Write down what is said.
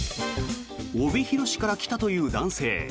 帯広市から来たという男性。